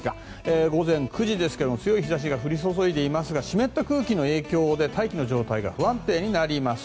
午前９時ですが強い日差しが降り注いでいますが湿った空気の影響で大気の状態が不安定になります。